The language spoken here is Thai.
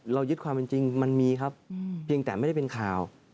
ยึดความเป็นจริงมันมีครับเพียงแต่ไม่ได้เป็นข่าว